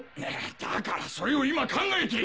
だからそれを今考えて！